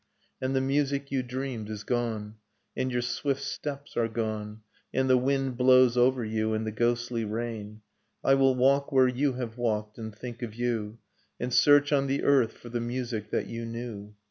And the music you dreamed is gone. And your swift. steps are gone. And the wind blows over you ; and the ghostly rain ... I will walk where you have walked, and think of you ; And search on the earth for the music that you knew